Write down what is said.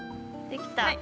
◆できた。